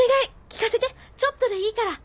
聴かせてちょっとでいいから。